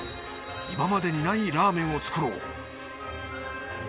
今までにないラーメンを作ろう。